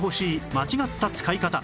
間違った使い方